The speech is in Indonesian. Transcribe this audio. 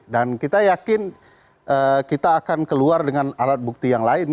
dan kita yakin kita akan keluar dengan alat bukti yang lain